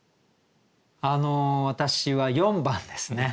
私は４番ですね。